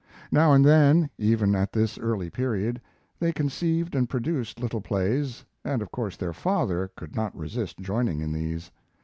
Now and then, even at this early period, they conceived and produced little plays, and of course their father could not resist joining in these.